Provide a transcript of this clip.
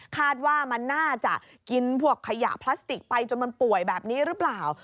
คาดว่ามันน่าจะกินพวกขยะพลาสติกไปจนมันป่วยแบบนี้หรือเปล่า